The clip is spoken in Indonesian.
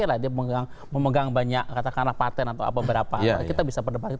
atau apa apa kita bisa pendapatkan